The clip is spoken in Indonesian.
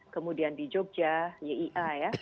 kemudian di jogja yia ya